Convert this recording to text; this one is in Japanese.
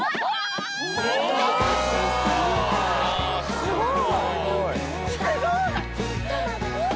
すごい。